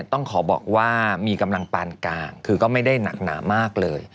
ต้องขอบอกว่ามีกำลังปานกลางคือก็ไม่ได้หนักหนามากเลย